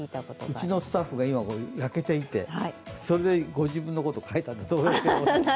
うちのスタッフが今焼けていてそれでご自分のことを書いたんだと思います。